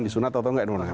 di sunat atau nggak di sunat